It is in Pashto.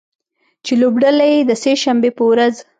چې لوبډله یې د سې شنبې په ورځ